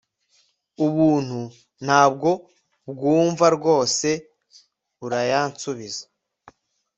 ubuntu ntabwo byumva rwose urayansubiza